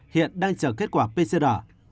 hiện đang chờ kết quả pcr